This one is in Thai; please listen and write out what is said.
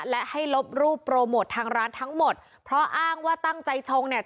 และให้ลบรูปโปรโมททางร้านทั้งหมดเพราะอ้างว่าตั้งใจชงเนี่ย